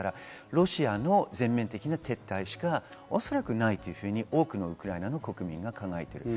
ロシアの全面的な撤退しか、おそらくないと多くのウクライナ国民が考えています。